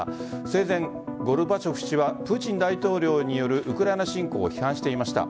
生前、ゴルバチョフ氏はプーチン大統領によるウクライナ侵攻を批判していました。